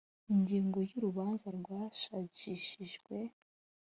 ingingo ya urubanza rwashajishijwe